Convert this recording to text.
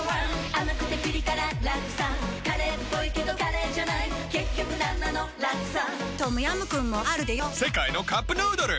甘くてピリ辛ラクサカレーっぽいけどカレーじゃない結局なんなのラクサトムヤムクンもあるでヨ世界のカップヌードル